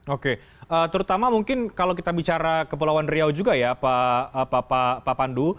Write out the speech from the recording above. oke terutama mungkin kalau kita bicara kepulauan riau juga ya pak pandu